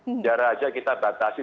penjara saja kita batasi